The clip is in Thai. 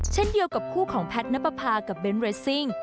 เช่นเดียวกับคู่ของแพทย์นับประพากับเบนท์เรสซิ่ง